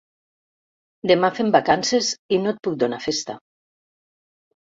Demà fem vacances i no et puc donar festa.